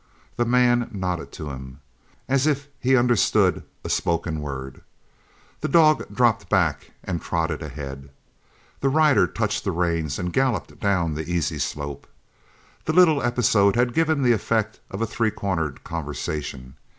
The man nodded to him, whereat, as if he understood a spoken word, the dog dropped back and trotted ahead. The rider touched the reins and galloped down the easy slope. The little episode had given the effect of a three cornered conversation.